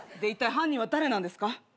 犯人は誰なんですか？